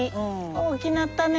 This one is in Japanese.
大きなったね。